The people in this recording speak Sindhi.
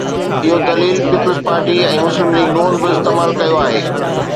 اهو دليل پيپلز پارٽي ۽ مسلم ليگ ن به استعمال ڪيو آهي.